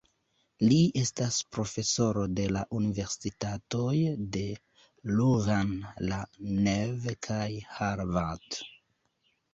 Li estas profesoro de la universitatoj de Louvain-la-Neuve kaj Harvard.